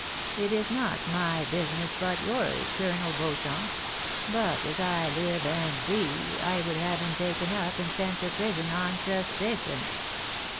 It is not my business, but yours, Colonel Beauchamp ; but as I live and breathe, I would have him taken up and sent to prison on suspicion."